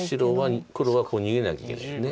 黒は逃げなきゃいけないです。